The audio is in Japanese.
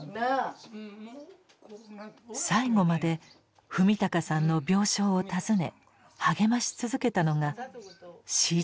最期まで史敬さんの病床を訪ね励まし続けたのがしい